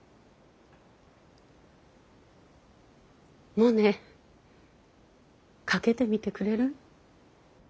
モネかけてみてくれる？